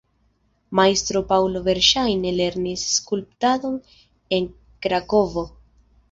Majstro Paŭlo verŝajne lernis skulptadon en Krakovo.